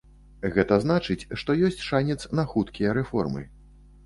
Гэта значыць, што ёсць шанец на хуткія рэформы.